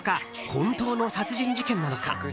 本当の殺人事件なのか？